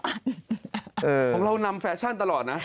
ของเรานำแฟชั่นตลอดนะ